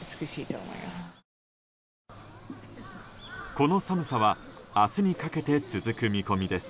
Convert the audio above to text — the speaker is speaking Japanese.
この寒さは明日にかけて続く見込みです。